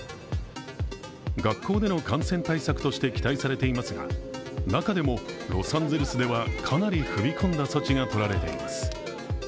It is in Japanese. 学校での感染対策として期待されていますが、中でもロサンゼルスではかなり踏み込んだ措置がとられています。